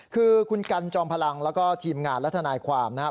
คือคุณกันจอมพลังแล้วก็ทีมงานและทนายความนะครับ